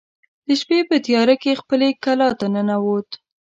د شپې په تیاره کې خپلې کلا ته ننوت.